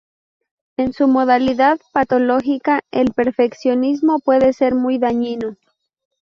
En su modalidad patológica, el perfeccionismo puede ser muy dañino.